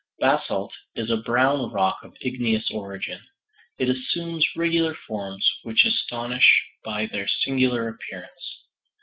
Basalt is a brown rock of igneous origin. It assumes regular forms, which astonish by their singular appearance.